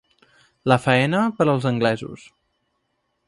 La faena, per als anglesos.